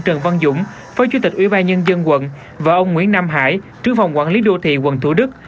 trần văn dũng phó chủ tịch ủy ban nhân dân quận và ông nguyễn nam hải trước phòng quản lý đô thị quận thủ đức